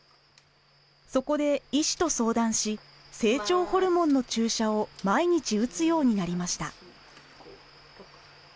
そこで医師と相談し成長ホルモンの注射を毎日打つようになりました。